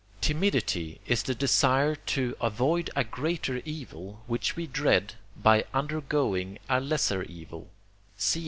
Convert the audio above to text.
Timidity is the desire to avoid a greater evil, which we dread, by undergoing a lesser evil.